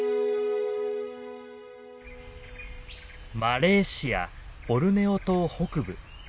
マレーシア・ボルネオ島北部。